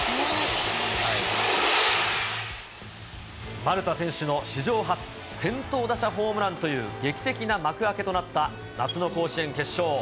丸田選手の史上初先頭打者ホームランという劇的な幕開けとなった夏の甲子園決勝。